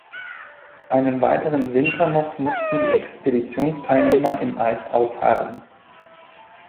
Einen weiteren Winter noch mussten die Expeditionsteilnehmer im Eis ausharren.